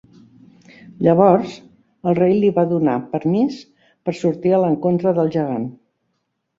Llavors, el rei li va donar permís per sortir a l'encontre del gegant.